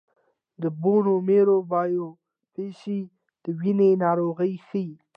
د بون میرو بایوپسي د وینې ناروغۍ ښيي.